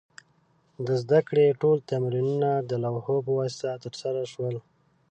د زده کړې ټول تمرینونه د لوحو په واسطه ترسره شول.